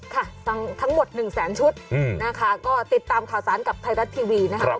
ค่ะทั้งหมด๑แสนชุดนะคะก็ติดตามข่าวสารกับไทยรัฐทีวีนะครับ